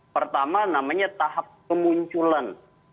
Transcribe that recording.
pertama namanya tahap kemunculan